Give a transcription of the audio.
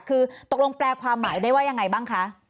คือตกลงแปลความหมายได้ว่ายังไงบ้างคะ